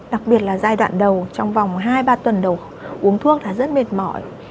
đặc biệt là giai đoạn đầu trong vòng hai ba tuần đầu uống thuốc là rất mệt mỏi